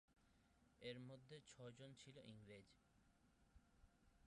এর মধ্যে ছয়জন ছিল ইংরেজ।